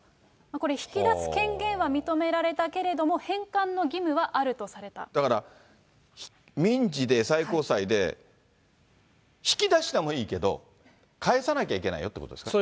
これ引き出す権限は認められたけれども、返還の義務はあるとされだから、民事で最高裁で、引き出してもいいけど、返さなきゃいけないよということですか。